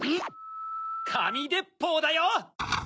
かみでっぽうだよ！